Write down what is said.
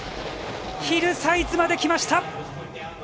ヒルサイズまできました！